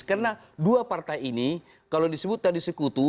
karena dua partai ini kalau disebut tadi sekutu